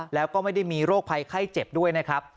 แล้วก็ไม่ได้มีโรคภัยไข้เจ็บด้วยนะครับ